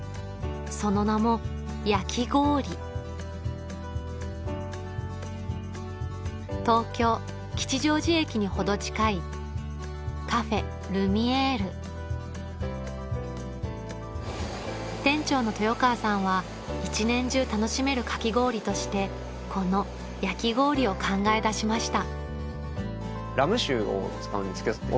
その名も東京・吉祥寺駅に程近い店長の豊川さんは一年中楽しめるかき氷としてこの焼き氷を考え出しました